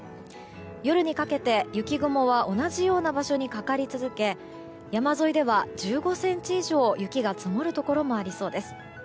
夜にかけて雪雲は同じような場所にかかり続け山沿いでは１５ｃｍ以上、雪が積もるところもありそうです。